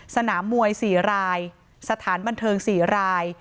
สนามมวย๔รายสถานบันเทิง๔ราย